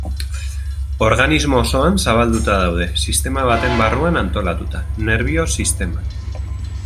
Organismo osoan zabalduta daude, sistema baten barruan antolatuta: nerbio sisteman.